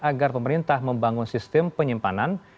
agar pemerintah membangun sistem penyimpanan